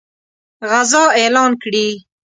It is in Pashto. غزا اعلان کړي.